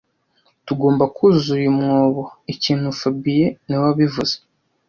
Tugomba kuzuza uyu mwobo ikintu fabien niwe wabivuze